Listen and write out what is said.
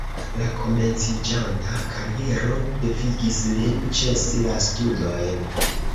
La komenciĝanta kariero devigis lin ĉesi la studojn.